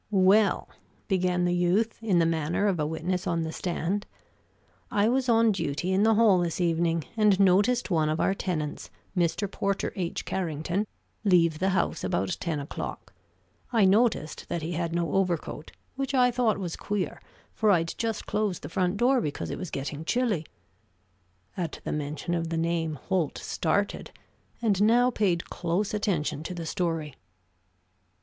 "Well," began the youth in the manner of a witness on the stand, "I was on duty in the hall this evening and noticed one of our tenants, Mr. Porter H. Carrington, leave the house about ten o'clock. I noticed that he had no overcoat, which I thought was queer, for I'd just closed the front door, because it was getting chilly." At the mention of the name Holt started, and now paid close attention to the story.